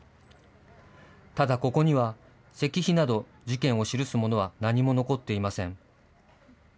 ただ、ここには石碑など事件を記すものは何も残っていません。